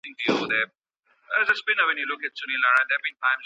قلمي خط د ماشین پر وړاندي د انسان بریا ده.